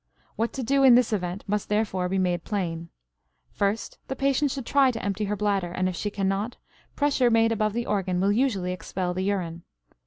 What to do in this event must therefore be made plain. First the patient should try to empty her bladder, and, if she cannot, pressure made above the organ will usually expel the urine.